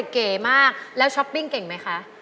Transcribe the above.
เก๋มากแล้วช้อปปิ้งเก่งไหมคะ